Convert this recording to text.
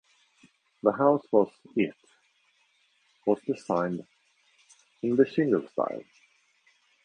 The house was it was designed in the Shingle style.